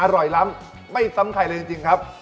อร่อยล้ำไม่ซ้ำไข่เลยจริงครับ